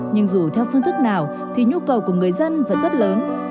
nhưng dù theo phương thức nào thì nhu cầu của người dân vẫn rất lớn